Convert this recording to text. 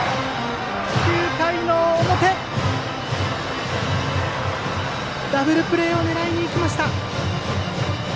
９回の表ダブルプレーを狙いにいきました。